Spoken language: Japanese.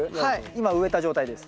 今植えた状態です。